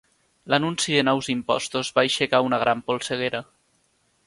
L'anunci de nous impostos va aixecar una gran polseguera.